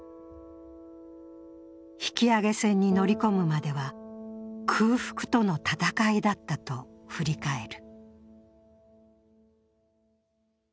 引揚船に乗り込むまでは、空腹との闘いだったと振り返る。